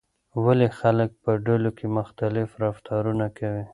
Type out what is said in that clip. ولې خلک په ډلو کې مختلف رفتارونه کوي؟